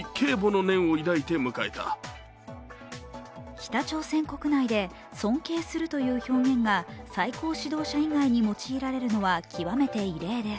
北朝鮮国内で尊敬するという表現が最高指導者以外に用いられるのは極めて異例です。